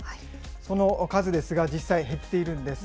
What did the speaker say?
その数ですが、実際減っているんです。